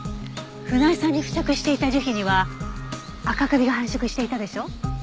船井さんに付着していた樹皮にはアカカビが繁殖していたでしょ。